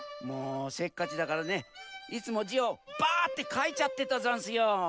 もうせっかちだからねいつもじをバッてかいちゃってたざんすよ。